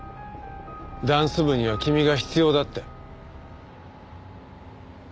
ダンス部には君が必要だって。